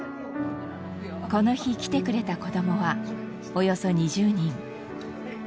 この日来てくれた子供はおよそ２０人。